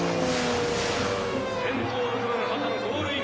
先頭６番波多野ゴールイン。